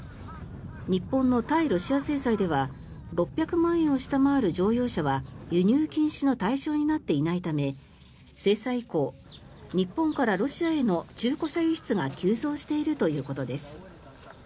日本の対ロシア制裁では６００万円を下回る乗用車は輸入禁止の対象になっていないため制裁以降、日本からロシアへの中古車輸出が急増しているということです。